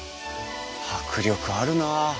迫力あるな！